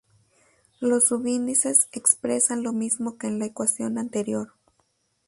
Los subíndices expresan lo mismo que en la ecuación anterior.